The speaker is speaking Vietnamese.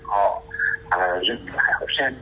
họ dừng lại học sinh